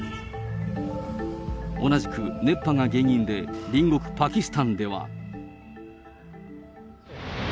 同じく熱波が原因で、隣国パキスタンでは。